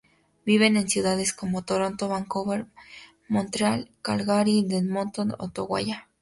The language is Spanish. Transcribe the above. Viven en ciudades como Toronto, Vancouver, Montreal, Calgary, Edmonton, y Ottawa.